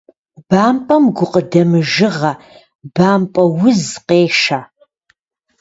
Бампӏэм гукъыдэмыжыгъэ, бампӏэ уз къешэ.